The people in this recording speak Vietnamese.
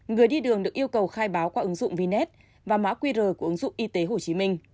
người đi đường được yêu cầu khai báo qua ứng dụng vne và mã qr của ứng dụng y tế hồ chí minh